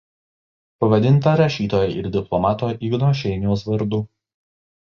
Pavadinta rašytojo ir diplomato Igno Šeiniaus vardu.